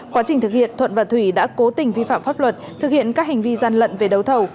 quá trình thực hiện thuận và thủy đã cố tình vi phạm pháp luật thực hiện các hành vi gian lận về đấu thầu